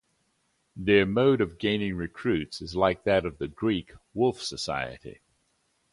Their mode of gaining recruits is like that of the Greek Wolf Society.